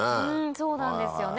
そうなんですよね。